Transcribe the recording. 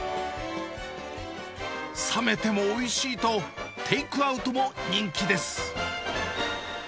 冷めてもおいしいと、テイクアウトも人気です。